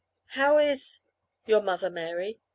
"How is your mother, Mary?"